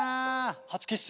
初キッス？